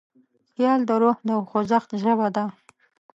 خیال د روح د خوځښت ژبه ده.